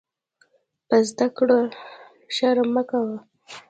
په زده کړه شرم مه کوۀ.